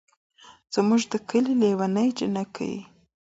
زمونږ ده کلي لېوني جينکۍ